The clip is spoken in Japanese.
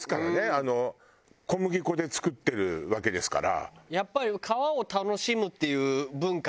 あの小麦粉で作ってるわけですから。